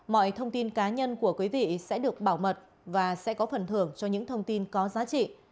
mọi thông tin cá nhân của quý vị sẽ được bảo mật và sẽ có phần thưởng cho những thông tin có giá trị